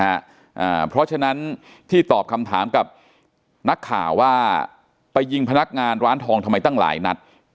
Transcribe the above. อ่าเพราะฉะนั้นที่ตอบคำถามกับนักข่าวว่าไปยิงพนักงานร้านทองทำไมตั้งหลายนัด